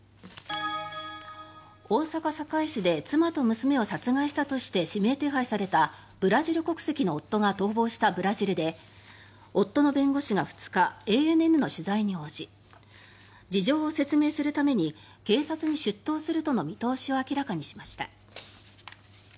大阪・堺市で妻と娘を殺害したとして指名手配されたブラジル国籍の夫が逃亡したブラジルで夫の弁護士が２日ＡＮＮの取材に応じ事情を説明するために警察に出頭するとの見通しを明らかにしました。